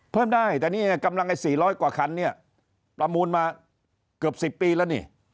เพิ่มได้แต่นี่กำลังไอ้๔๐๐กว่าคันเนี่ยประมูลมาเกือบ๑๐ปีแล้วนี่